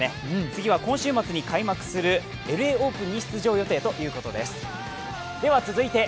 次は今週末に開幕するＬＡオープンに出場ということです。